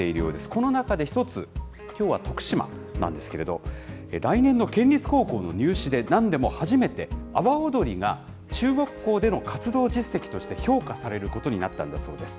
この中で一つ、きょうは徳島なんですけれど、来年の県立高校の入試で、なんでも初めて、阿波踊りが中学校での活動実績として評価されることになったんだそうです。